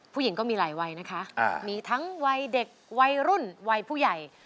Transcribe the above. ก็มีหลายวัยนะคะมีทั้งวัยเด็กวัยรุ่นวัยผู้ใหญ่